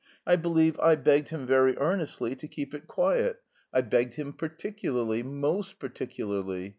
I believe I begged him very earnestly to keep it quiet; I begged him particularly, most particularly.